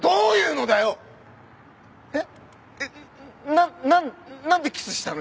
なんなんなんでキスしたの？